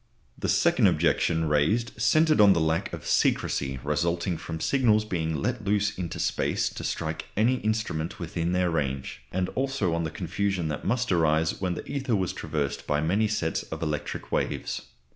The second objection raised centred on the lack of secrecy resulting from signals being let loose into space to strike any instrument within their range; and also on the confusion that must arise when the ether was traversed by many sets of electric waves.